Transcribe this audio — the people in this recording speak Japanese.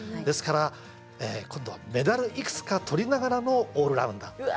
ですから今度はメダルいくつか取りながらのオールラウンダー。